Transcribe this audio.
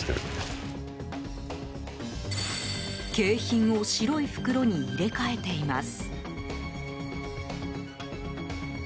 景品を白い袋に入れ替えています。